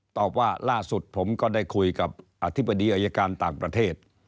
ตอบว่าล่าสุดผมก็ได้คุยกับอธิบดีอายการต่างประเทศ